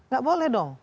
gak boleh dong